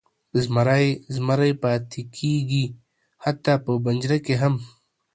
زمری زمری پاتې کیږي، حتی په پنجره کې هم.